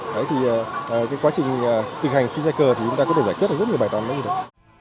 thế thì cái quá trình tự hành freecycle thì chúng ta có thể giải quyết được rất nhiều bài toàn như thế này